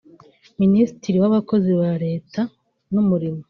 Minisitiri w’Abakozi ba Leta n’umurimo